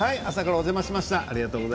朝からお邪魔しました。